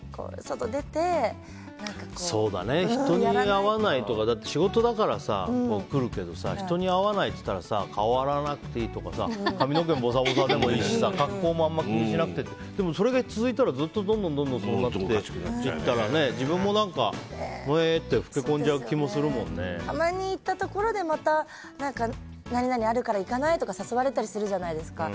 人に会わないとか仕事だから来るけどさ人に会わないっていったら顔洗わなくていいとか髪の毛もぼさぼさでもいいし格好も気にしなくていいしってそれが続いてどんどんそうなっていったら自分も、何かたまに行ったところで何々あるから行かない？って誘われたりするじゃないですか。